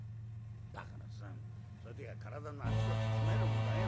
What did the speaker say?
「だからさそういう時は体のあっちこっちつねるんだよ」。